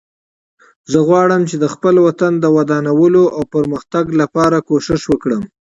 زه غواړم چې د خپل وطن د ودانولو او پرمختګ لپاره کوښښ وکړم